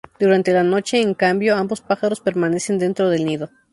Durante la noche, en cambio, ambos pájaros permanecen dentro del nido.